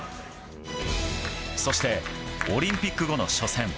そして、オリンピック後の初戦。